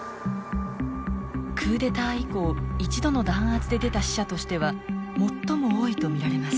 クーデター以降一度の弾圧で出た死者としては最も多いと見られます。